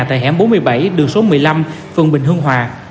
tại hẻm bốn mươi bảy đường số một mươi năm phường bình hương hòa